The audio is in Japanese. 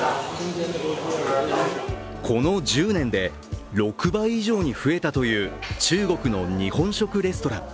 この１０年で６倍以上に増えたという中国の日本食レストラン。